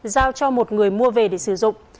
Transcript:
giao cho một người mua về để sử dụng